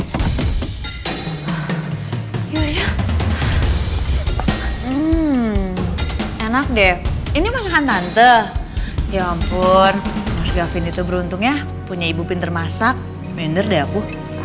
hmm enak deh ini masakan tante ya ampun mas gavin itu beruntung ya punya ibu pinter masak bander deh aku